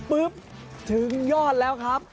ปุ๊บถึงยอดแล้วครับ